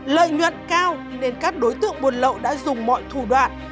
lợi nhuận cao nên các đối tượng buôn lậu đã dùng mọi thủ đoạn